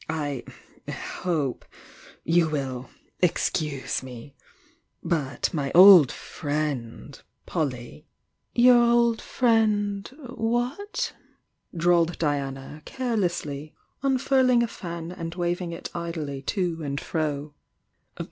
"I hope you will excuse me! But my old friend Polly " "Your old friend — what?" drawled Diana, care lessly, unfurling a fan and waving it idly to and fro.